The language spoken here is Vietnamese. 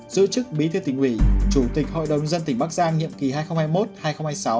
giữ chức bí thư tỉnh ủy chủ tịch hội đồng dân tỉnh bắc giang nhiệm kỳ hai nghìn hai mươi một hai nghìn hai mươi sáu